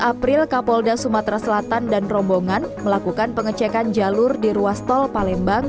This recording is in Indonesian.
dua puluh april kapolda sumatera selatan dan rombongan melakukan pengecekan jalur di ruas tol palembang